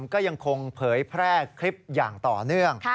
ก็ยังคงเผยแพร่คลิปอย่างต่อเนื่อง